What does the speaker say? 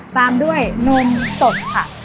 ตามด้วยนมสด